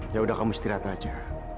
ya udah kamu istirahat aja